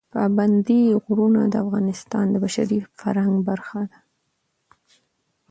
پابندی غرونه د افغانستان د بشري فرهنګ برخه ده.